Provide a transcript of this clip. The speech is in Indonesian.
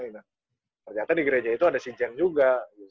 ternyata di gereja itu ada sincen juga